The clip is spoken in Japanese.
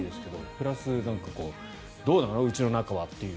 プラス、どうなのうちの仲はっていう。